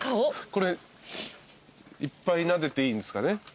これいっぱいなでていいんすかね？